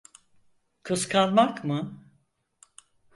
Kıskanmak mı?